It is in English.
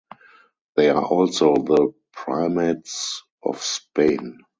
They are also the Primates of Spain.